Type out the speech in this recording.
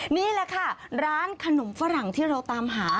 นี่แหละค่ะร้านขนมฝรั่งที่เราตามหา